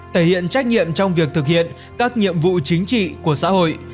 thể hiện trách nhiệm trong việc thực hiện các nhiệm vụ chính trị của xã hội